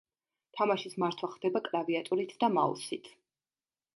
თამაშის მართვა ხდება კლავიატურით და მაუსით.